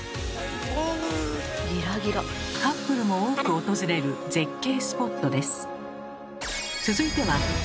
カップルも多く訪れる絶景スポットです。